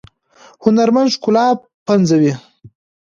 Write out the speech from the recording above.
هنرمند ښکلا پنځوي